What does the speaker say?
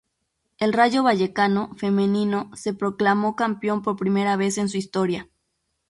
El Rayo Vallecano Femenino se proclamó campeón por primera vez en su historia.